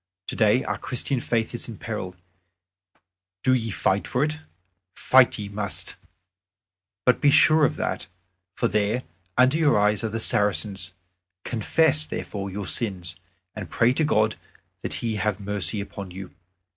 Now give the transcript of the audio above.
Today our Christian Faith is in peril: do ye fight for it. Fight ye must; be sure of that, for there under your eyes are the Saracens. Confess, therefore, your sins, and pray to God that He have mercy upon you.